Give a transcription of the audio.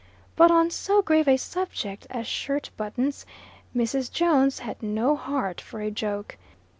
But on so grave a subject as shirt buttons, Mrs. Jones had no heart for a joke.